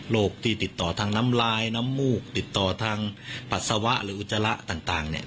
ที่ติดต่อทางน้ำลายน้ำมูกติดต่อทางปัสสาวะหรืออุจจาระต่างเนี่ย